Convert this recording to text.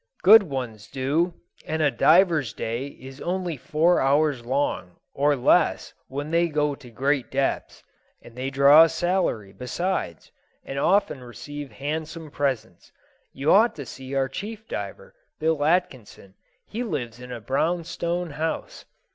"Good ones do, and a diver's day is only four hours' long, or less when they go to great depths. And they draw a salary besides, and often receive handsome presents. You ought to see our chief diver, Bill Atkinson; he lives in a brownstone house."